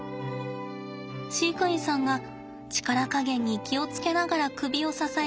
飼育員さんが力加減に気を付けながら首を支えて慎重に与えました。